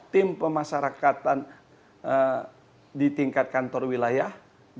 tim pemasarakatan di tingkat kantor wilayah